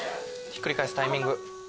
ひっくり返すタイミング。